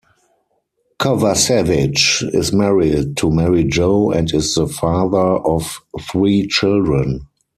Kovacevich is married to Mary Jo and is the father of three children.